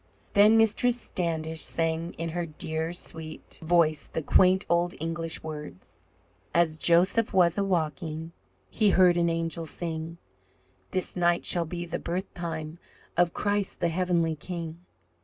Then Mistress Standish sang in her dear, sweet voice the quaint old English words: As Joseph was a walking, He heard an angel sing: "This night shall be the birth time Of Christ, the heavenly King.